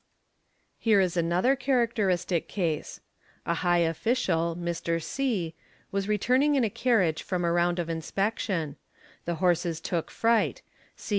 { Here is another characteristic case. A high official, Mr. C., was. | returning in a carriage from a round of inspection ; the horses took — fright; C.